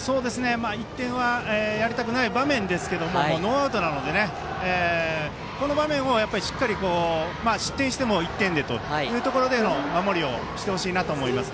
１点もあげたくないですがノーアウトなのでこの場面もしっかり、失点しても１点でというところでの守りをしてほしいです。